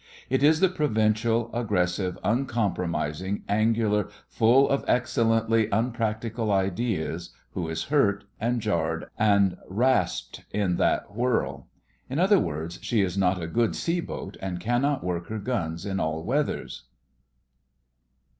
It is the provincial, aggressive, uncompromising, angular, full of excellently unpractical ideas, who is hurt, and jarred, and rasped in that whirl. In other words, she is not a good sea boat and cannot work her guns in all weathers.